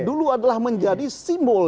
dia adalah menjadi simbol